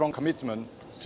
dengan komitmen kuat